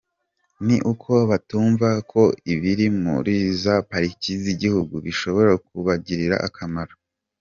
Ni uko batumva ko ibiri muri za pariki z’igihugu bishobora kubagirira akamaro.